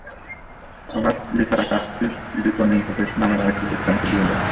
আবার বিতারা কাজটি দীপন info take নামের আরেকটি প্রতিষ্ঠানকে দিয়ে দেয়।